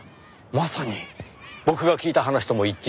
まさに僕が聞いた話とも一致しています。